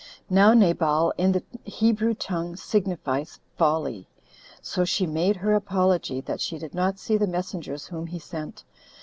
Now Nabal, in the Hebrew tongue, signifies folly. So she made her apology, that she did not see the messengers whom he sent.